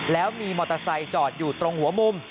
แล้วมีมอเตอร์ไซค์จอดอยู่ตรงหัวมุม